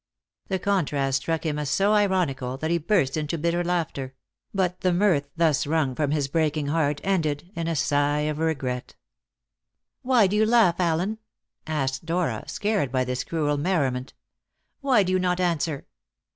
The contrast struck him as so ironical that he burst into bitter laughter; but the mirth thus wrung from his breaking heart ended in a sigh of regret. "Why do you laugh, Allen?" asked Dora, scared by this cruel merriment. "Why do you not answer?"